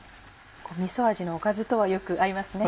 みそ味のおかずとはよく合いますね。